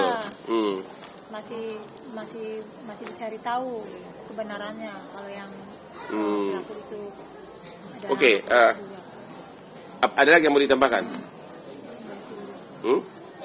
cuma makanya saya tidak membenar apa belum